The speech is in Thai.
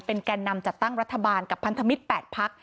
แก่นำจัดตั้งรัฐบาลกับพันธมิตร๘พัก